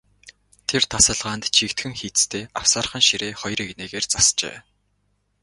Тэр тасалгаанд жигдхэн хийцтэй авсаархан ширээ хоёр эгнээгээр засжээ.